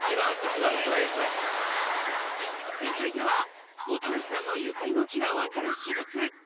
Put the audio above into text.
続いては持ち主さんのゆかりの地が分かる私物